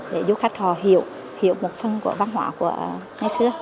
để giúp khách họ hiểu hiểu một phần của văn hóa của ngay xưa